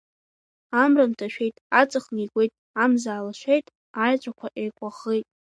Амра нҭашәеит, аҵых неигәеит, амза аалашеит, аеҵәақәа еикәаӷӷеит.